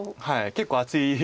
結構厚い。